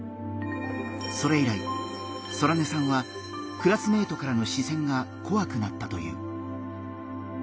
それ以来ソラネさんはクラスメイトからの視線がこわくなったという。